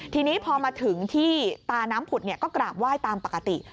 ทีนี้พอมาถึงที่ตาน้ำผุดก็กราบไหว้ตามปกติ